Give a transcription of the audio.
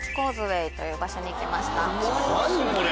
何これ！